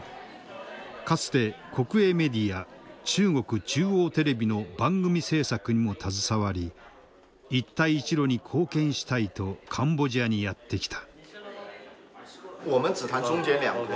かつて国営メディア中国中央テレビの番組制作にも携わり一帯一路に貢献したいとカンボジアにやって来た。